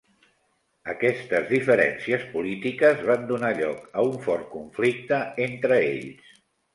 Aquestes diferències polítiques van donar lloc a un fort conflicte entre ells.